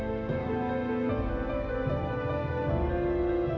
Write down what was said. mama nggak mau kehilangan dia ya allah